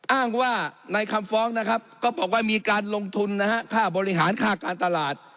อ้างว่าในคำฟ้องนะครับก็บอกว่ามีการลงทุนนะฮะค่าบริหารค่าการตลาด